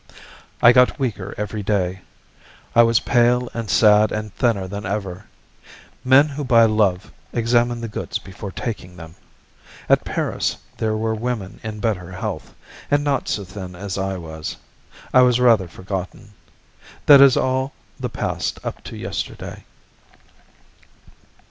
I got weaker every day. I was pale and sad and thinner than ever. Men who buy love examine the goods before taking them. At Paris there were women in better health, and not so thin as I was; I was rather forgotten. That is all the past up to yesterday.